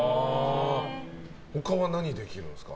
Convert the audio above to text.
他は何ができるんですか？